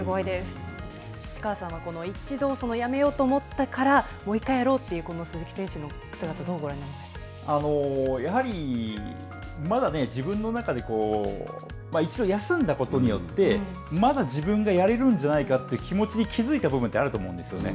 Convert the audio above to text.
内川さんは、一度やめようと思ってから、もう一回やろうという、鈴木選手の姿をどうご覧になりまやはり、まだね、自分の中で、一度休んだことによって、まだ自分がやれるんじゃないかという気持ちに気づいた部分ってあると思うんですよね。